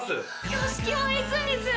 挙式はいつにする？